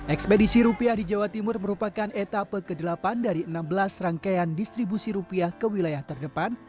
ekspedisi rupiah di jawa timur merupakan etapa ke delapan dari enam belas rangkaian distribusi rupiah ke wilayah terdepan